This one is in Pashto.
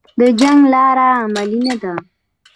د جنګ لاره عملي نه ده